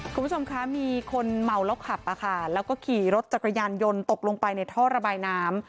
คุณผู้ชมคะมีคนเมาแล้วขับแล้วก็ขี่รถจักรยานยนต์ตกลงไปในท่อระบายน้ำ